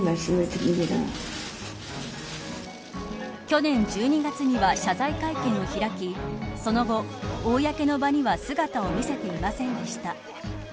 去年１２月には謝罪会見を開きその後、公の場には姿を見せていませんでした。